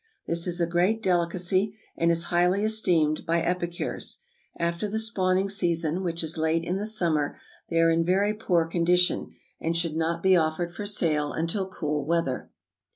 This is a great delicacy, and is highly esteemed by epicures. After the spawning season, which is late in the summer, they are in very poor condition, and should not be offered for sale until cool weather.